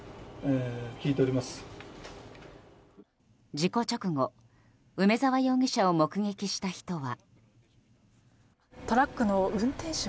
事故直後、梅沢容疑者を目撃した人は。